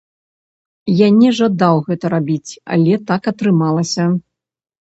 Я не жадаў гэта рабіць, але так атрымалася.